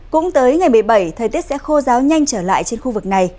cũng tới ngày một mươi bảy thời tiết sẽ khô ráo nhanh trở lại trên khu vực này